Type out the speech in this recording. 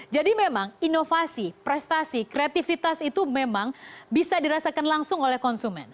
jadi memang inovasi prestasi kreativitas itu memang bisa dirasakan langsung oleh konsumen